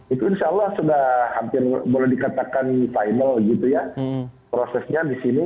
itu insya allah sudah hampir boleh dikatakan final gitu ya prosesnya di sini